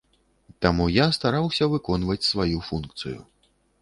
Таму я стараўся выконваць сваю функцыю.